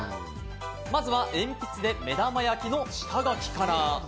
まずは鉛筆で目玉焼きの下描きから。